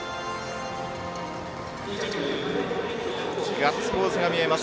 ガッツポーズが見えます。